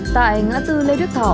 tại ngã tư lê đức thọ